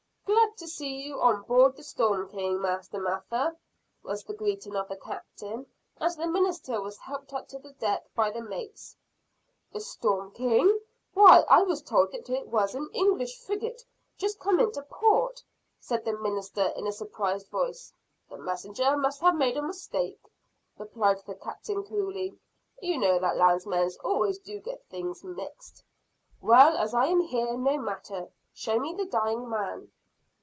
"Glad to see you on board the Storm King, Master Mather," was the greeting of the Captain, as the minister was helped up to the deck by the mates. "The Storm King! Why I was told that it was an English frigate, just come into port," said the minister in a surprised voice. "The messenger must have made a mistake," replied the Captain coolly. "You know that landsmen always do get things mixed. "Well, as I am here, no matter. Show me the dying man."